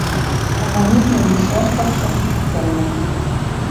Коммунизмӹн лишӓшлыкшым, сӹлнӹм